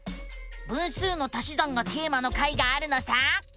「分数の足し算」がテーマの回があるのさ！